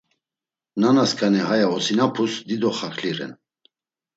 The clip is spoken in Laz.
Nanaskani haya osinapus dido xakli ren.